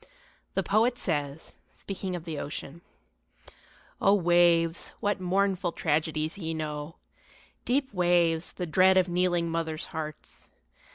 The poet says, speaking of the ocean, O waves, what mournful tragedies ye know Deep waves, the dread of kneeling mothers' hearts!